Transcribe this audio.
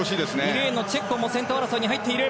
２レーンのチェッコンも先頭争いに入っている。